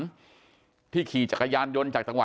กลุ่มตัวเชียงใหม่